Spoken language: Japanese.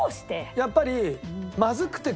やっぱり。